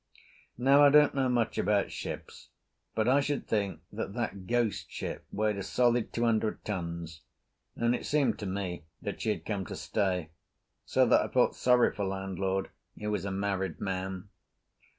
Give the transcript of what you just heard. Now I don't know much about ships, but I should think that that ghost ship weighed a solid two hundred tons, and it seemed to me that she had come to stay, so that I felt sorry for landlord, who was a married man.